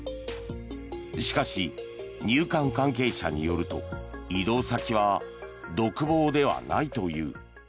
しかし、入管関係者によると移動先は独房ではないという。